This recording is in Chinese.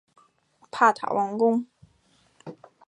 帕坦王宫广场是尼瓦尔建筑的重要代表作。